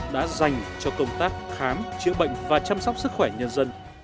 đã dành cho công tác khám chữa bệnh và chăm sóc sức khỏe nhân dân